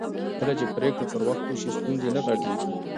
کله چې پرېکړې پر وخت وشي ستونزې نه غټېږي